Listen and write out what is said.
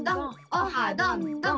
オハどんどん！